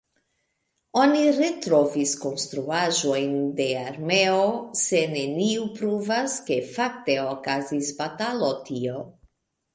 Oni retrovis konstruaĵojn de armeo, se neniu pruvas, ke fakte okazis batalo tio.